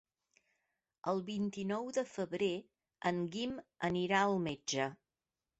El vint-i-nou de febrer en Guim anirà al metge.